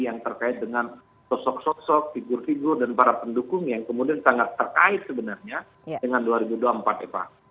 yang terkait dengan sosok sosok figur figur dan para pendukung yang kemudian sangat terkait sebenarnya dengan dua ribu dua puluh empat eva